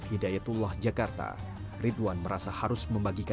berbeda atau ben marche onu separut ternyata berbeda dengan di situ